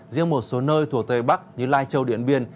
riêng một số nơi thuộc tây bắc như lai châu điện biên